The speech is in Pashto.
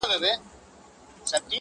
ته يې جادو په شينكي خال كي ويــنې.